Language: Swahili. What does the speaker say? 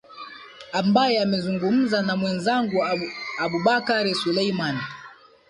ambaye amezungumza na mwenzangu abubakar suleiman